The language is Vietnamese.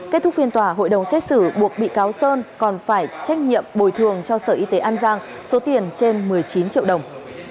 kết thúc phiên tòa hội đồng xét xử buộc bị cáo sơn còn phải trách nhiệm bồi thường cho sở y tế an giang số tiền trên một mươi chín triệu đồng